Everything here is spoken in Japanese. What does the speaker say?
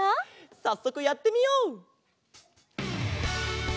さっそくやってみよう！